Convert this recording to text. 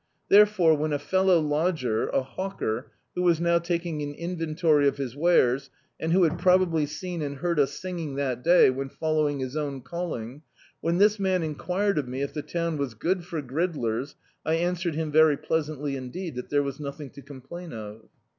There fore, when a fellow lodger, a hawker, who was now taking an inventory of his wares, and who had probably seen and heard us sin^ng that day, when following his own calling — when this man enquired of me if the town was good for gridlers, I answered him very pleasantly indeed, that there was nothing to complain of.